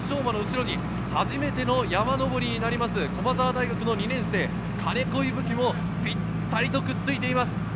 馬の後ろに初めての山上りになる駒澤大学２年生・金子伊吹もぴったりくっついています。